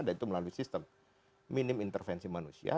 dan itu melalui sistem minim intervensi manusia